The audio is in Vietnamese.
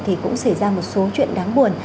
thì cũng xảy ra một số chuyện đáng buồn